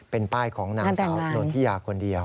เป็นป้ายของนางสาวนนทิยาคนเดียว